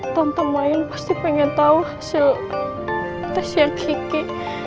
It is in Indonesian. tante mayang pasti pengen tahu hasil tesnya kiki